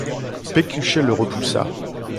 Pécuchet le repoussa.